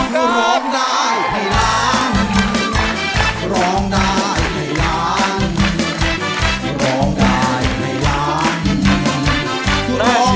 ขอบคุณครับ